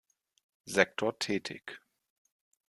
Sektor tätig.